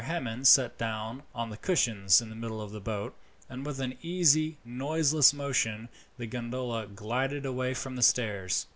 Hammond sat down on the cushions in the middle of the boat, and with an easy, noiseless motion the gondola glided away from the stairs.